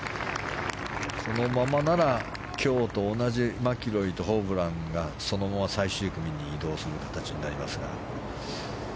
このままなら今日と同じマキロイとホブランがそのまま最終組に移動する形になりますが。